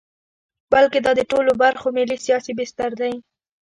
بلکې دا د ټولو برخو ملي سیاسي بستر دی.